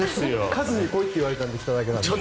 カズに来いと言われたので来ただけなんですよ。